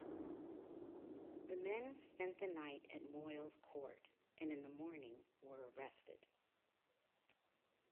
The men spent the night at Moyles Court, and in the morning were arrested.